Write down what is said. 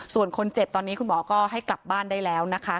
ส่วนคนเจ็บตอนนี้คุณหมอก็ให้กลับบ้านได้แล้วนะคะ